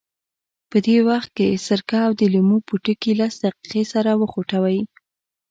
په دې وخت کې سرکه او د لیمو پوټکي لس دقیقې سره وخوټوئ.